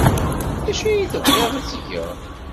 D acu ay tebɣiḍ ad t-geɣ?